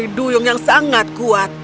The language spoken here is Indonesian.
dia putri duyung yang sangat kuat